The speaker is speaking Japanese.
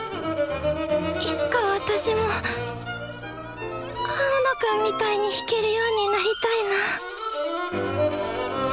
いつか私も青野くんみたいに弾けるようになりたいなぁ